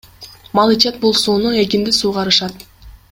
Мал ичет бул сууну, эгинди суугарышат.